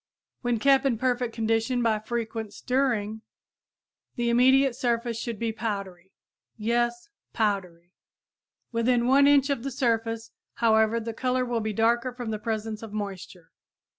When kept in perfect condition by frequent stirring the immediate surface should be powdery. Yes, powdery! Within 1 inch of the surface, however, the color will be darker from the presence of moisture.